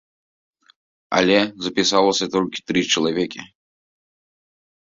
Але запісалася толькі тры чалавекі.